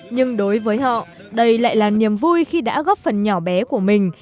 nhưng đối với họ đây lại là niềm vui khi đã góp phần nhỏ bé của mình